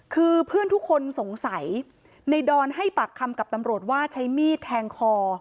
คือเพื่อนทุกคนสงสัยในดอนให้ปากคำกับตำรวจว่าใช้มีดแทงคอ